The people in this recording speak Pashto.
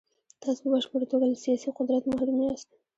تاسو په بشپړه توګه له سیاسي قدرت محروم یاست.